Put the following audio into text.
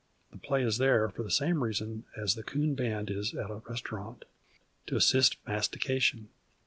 The play is there for the same reason the coon band is at a restaurant, to assist mastication.